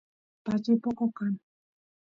pachay poco kan